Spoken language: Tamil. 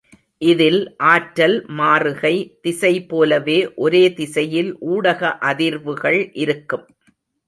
இதில் ஆற்றல் மாறுகை, திசை போலவே ஒரே திசையில் ஊடக அதிர்வுகள் இருக்கும்.